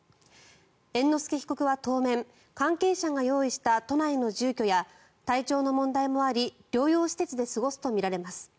猿之助被告は当面関係者が用意した都内の住居や体調の問題もあり療養施設で過ごすとみられます。